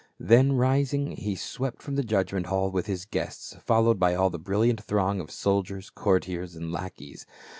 Then rising he swept from the judgment hall with his guests, followed by all the brilliant throng of soldiers, courtiers and lackeys.